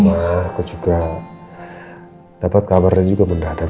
mak mak aku juga dapat kabarnya juga mendadak